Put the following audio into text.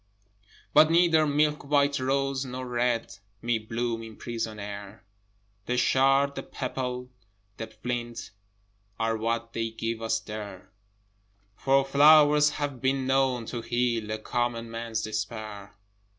But neither milk white rose nor red May bloom in prison air; The shard, the pebble, and the flint, Are what they give us there: For flowers have been known to heal A common man's despair.